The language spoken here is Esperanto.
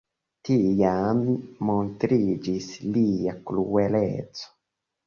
Tiam montriĝis lia krueleco.